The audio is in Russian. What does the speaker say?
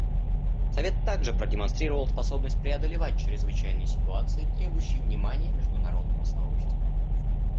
Совет также продемонстрировал способность преодолевать чрезвычайные ситуации, требующие внимания международного сообщества.